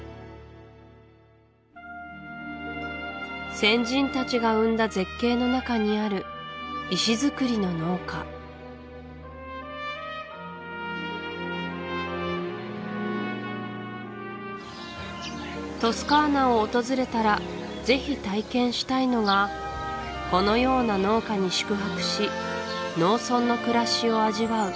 先人たちが生んだ絶景の中にある石造りの農家トスカーナを訪れたらぜひ体験したいのがこのような農家に宿泊し農村の暮らしを味わう